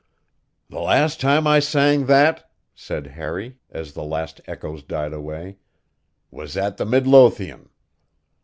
"The last time I sang that," said Harry as the last echoes died away, "was at the Midlothian.